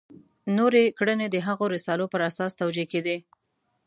نورې کړنې د هغو رسالو پر اساس توجیه کېدې.